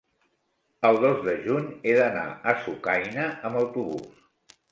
El dos de juny he d'anar a Sucaina amb autobús.